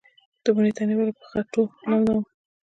د ونې تنه ولې په خټو لمدوم؟